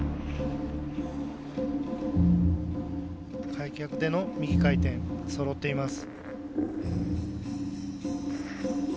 開脚での右回転そろっています。